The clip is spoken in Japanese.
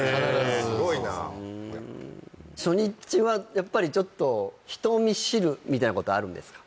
すごいなすごいな初日はやっぱりちょっと人見知るみたいなことあるんですか？